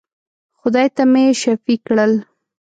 خدای ته مي شفېع کړل.